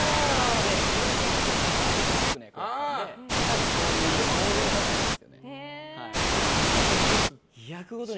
それが結構、サディスティックな役だったので多分そういうモードに入ってたんですよね。